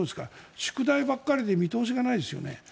宿題ばかりで見通しがないですよね。